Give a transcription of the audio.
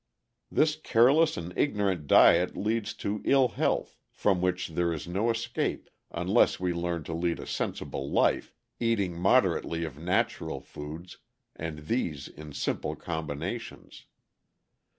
This careless and ignorant diet leads to ill health, from which there is no escape unless we learn to lead a sensible life, eating moderately of natural foods, and these in simple combinations.